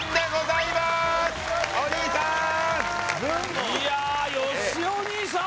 いやーよしお兄さん！